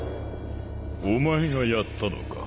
お前がやったのか？